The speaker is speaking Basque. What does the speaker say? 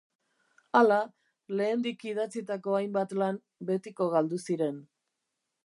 Hala, lehendik idatzitako hainbat lan betiko galdu ziren.